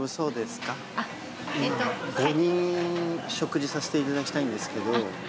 ５人食事さしていただきたいんですけど。